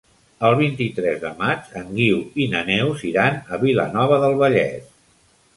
El vint-i-tres de maig en Guiu i na Neus iran a Vilanova del Vallès.